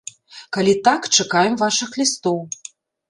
Калі так, чакаем вашых лістоў.